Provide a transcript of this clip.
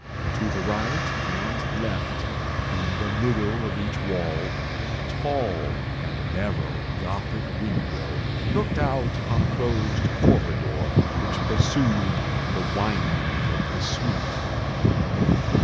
To the right and left, in the middle of each wall, a tall and narrow Gothic window looked out upon a closed corridor which pursued the windings of the suite.